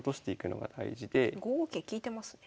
５五桂利いてますね。